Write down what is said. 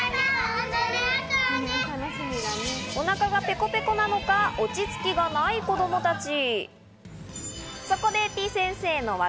お腹がペコペコなのか、落ち着きがない子供たち。